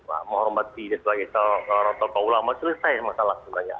pak menghormati dia sebagai seorang tokoh ulama selesai masalah sebenarnya